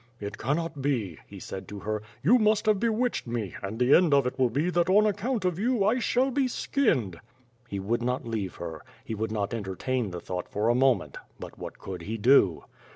"It cannot be!" he said to her. "You must have bewitched me, and the end of it will be that on account of you, I shall be skinned." He would not leave her. He would not entertain the thought for a moment. But what could he do?